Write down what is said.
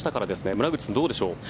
村口さん、どうでしょう。